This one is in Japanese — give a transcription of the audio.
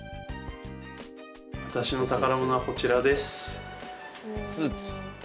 私の宝物はこちらです。